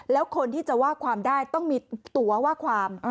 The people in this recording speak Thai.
แล้วคนที่จะว่าความได้ต้องมีตัวว่าความ